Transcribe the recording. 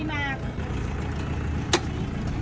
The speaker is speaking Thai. ถึงทางลิเมย์